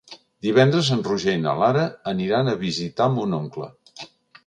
Divendres en Roger i na Lara aniran a visitar mon oncle.